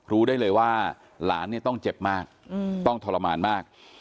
รู้ได้เลยว่าหลานเนี่ยต้องเจ็บมากต้องทรมานมาก